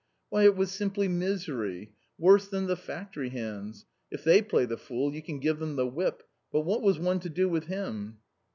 " Why, it was simply misery ; worse than the factory hands. If they play the fool, you can give them the whip ; but what was one to do with him